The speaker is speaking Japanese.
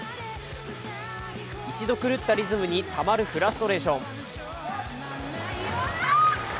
一度狂ったリズムにたまるフラストレーション。